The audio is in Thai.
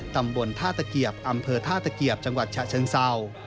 ตำบลท่าตะเกียบอำเภอท่าตะเกียบจังหวัดฉะเชิงเศร้า